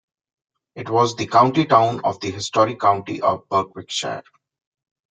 It was the county town of the historic county of Berwickshire.